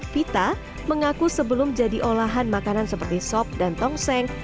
vita mengaku sebelum jadi olahan makanan seperti sop dan tongseng